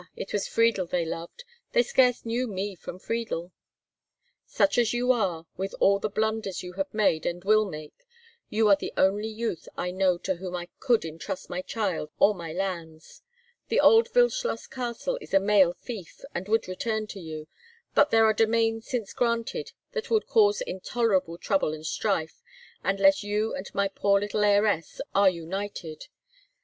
it was Friedel they loved. They scarce knew me from Friedel." "Such as you are, with all the blunders you have made and will make, you are the only youth I know to whom I could intrust my child or my lands. The old Wildschloss castle is a male fief, and would return to you, but there are domains since granted that will cause intolerable trouble and strife, unless you and my poor little heiress are united.